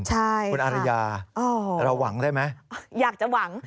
ใช่คุณอาริยาเราหวังได้ไหมอยากจะหวัง